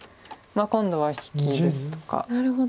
今度は引きですとか。